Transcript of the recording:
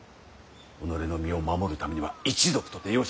己の身を守るためには一族とて容赦はしない。